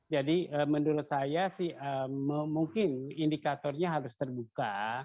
jadi menurut saya sih mungkin indikatornya harus terbuka